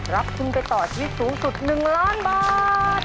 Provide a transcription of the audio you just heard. รับทุนไปต่อชีวิตสูงสุด๑ล้านบาท